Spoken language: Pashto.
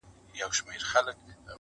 د زړه جيب كي يې ساتم انځورونه -گلابونه-